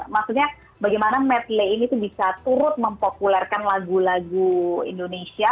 maksudnya bagaimana medley ini tuh bisa turut mempopulerkan lagu lagu indonesia